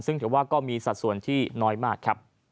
ซึ่งแต่ว่าก็มีสัดส่วนที่น้อยมาก